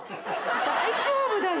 大丈夫だよ。